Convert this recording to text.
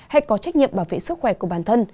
hay có trách nhiệm bảo vệ sức khỏe của bản thân